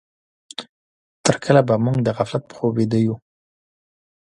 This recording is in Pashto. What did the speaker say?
تر کله به موږ د غفلت په خوب ويده يو؟